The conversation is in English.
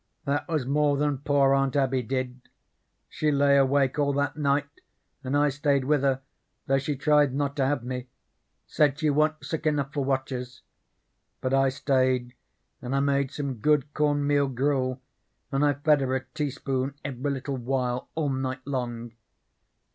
That was more than poor Aunt Abby did. She lay awake all that night and I stayed with her, though she tried not to have me; said she wa'n't sick enough for watchers. But I stayed, and I made some good cornmeal gruel and I fed her a teaspoon every little while all night long.